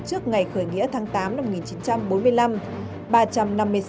trước ngày khởi nghĩa tháng tám năm một nghìn chín trăm bốn mươi năm